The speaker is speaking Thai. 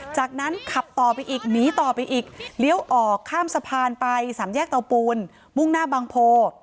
จากนั้นขับต่อไปอีกหนีต่อไปอีกเลี้ยวออกข้ามสะพานไปสามแยกเตาปูนมุ่งหน้าบางโพ